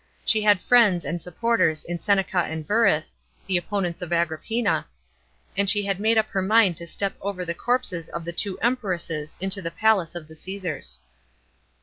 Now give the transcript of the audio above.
She had friends and supporters in Seneca and Bumis, the opponents of Agrippina, and she had made up her mind to step over the corpses of the two Empresses into the palace of the Cassars.